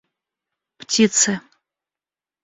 птицы